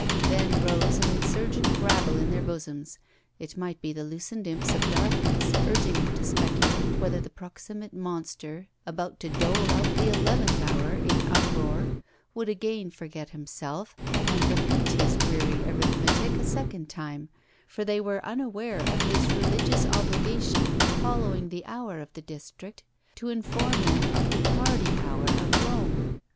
Then arose an insurgent rabble in their bosoms, it might be the loosened imps of darkness, urging them to speculate whether the proximate monster about to dole out the eleventh hour in uproar would again forget himself and repeat his dreary arithmetic a second time; for they were unaware of his religious obligation, following the hour of the district, to inform them of the tardy hour of Rome.